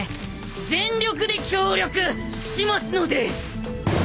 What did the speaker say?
全力で協力しますので！